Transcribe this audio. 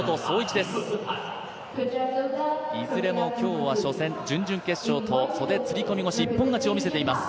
いずれも今日は初戦、準々決勝と袖釣り込み腰、一本勝ちを見せています。